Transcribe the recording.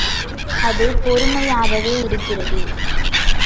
அது பொறுமையாகவே இருக்கிறது.